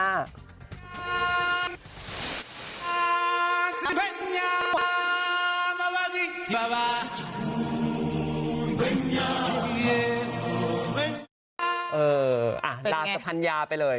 เอออ่าราชภัณยาไปเลย